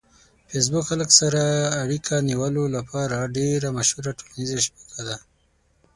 فېسبوک خلک سره اړیکه نیولو لپاره ډېره مشهوره ټولنیزه شبکه ده.